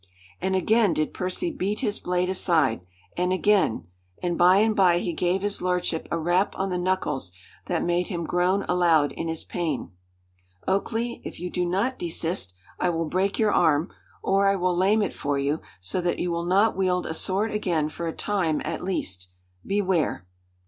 And again did Percy beat his blade aside, and again; and by and by he gave his lordship a rap on the knuckles that made him groan aloud in his pain. "Oakleigh! if you do not desist, I will break your arm; or I will lame it for you so that you will not wield a sword again for a time at least. Beware!"